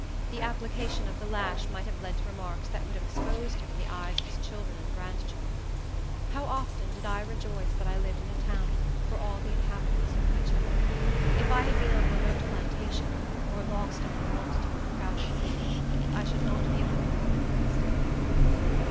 The application of the lash might have led to remarks that would have exposed him in the eyes of his children and grandchildren. How often did I rejoice that I lived in a town where all the inhabitants knew each other! If I had been on a remote plantation, or lost among the multitude of a crowded city, I should not be a living woman at this day.